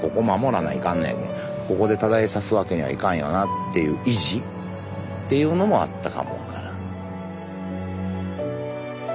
ここで途絶えさすわけにはいかんよなっていう意地っていうのもあったかも分からん。